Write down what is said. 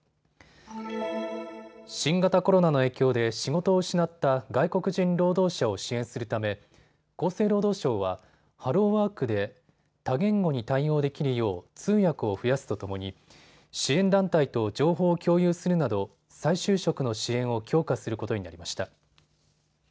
新型コロナの影響で仕事を失った外国人労働者を支援するため厚生労働省はハローワークで多言語に対応できるよう通訳を増やすとともに支援団体と情報を共有するなど、再就職の支援を強化することになりました。